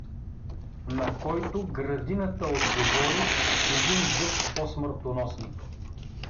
На които градината отговори с един дъжд по-смъртоносни.